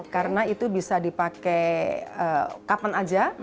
karena itu bisa dipakai kapan aja